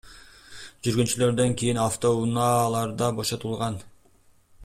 Жүргүнчүлөрдөн кийин автоунаалар да бошотулган.